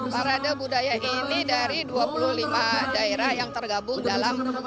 parade budaya ini dari dua puluh lima daerah yang tergabung dalam apeksi komunil tiga